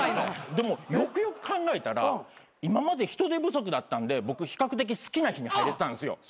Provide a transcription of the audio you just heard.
でもよくよく考えたら今まで人手不足だったんで僕比較的好きな日に入れてたんですよ。